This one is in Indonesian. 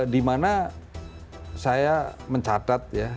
dimana saya mencatat ya